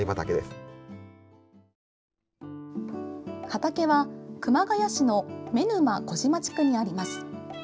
畑は、熊谷市の妻沼小島地区にあります。